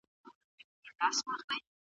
د کار ځواک پراختیا لپاره دوامداره هڅې مهمې دي.